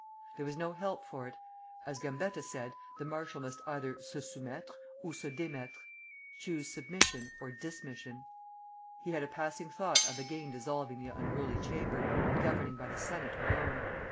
There was no help for it; as Gambetta said, the marshal must either se soumettre, ou se démettre, choose submission or dismission. He had a passing thought of again dissolving the unruly Chamber, and governing by the Senate alone.